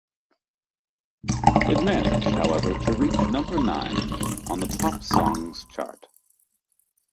It managed, however, to reach number nine on the Pop Songs chart.